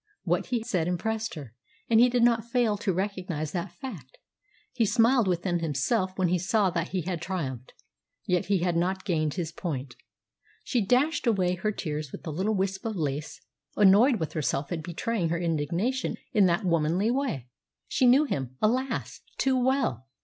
What he said impressed her, and he did not fail to recognise that fact. He smiled within himself when he saw that he had triumphed. Yet he had not gained his point. She had dashed away her tears with the little wisp of lace, annoyed with herself at betraying her indignation in that womanly way. She knew him, alas! too well.